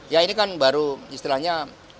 ya ini kan baru istilahnya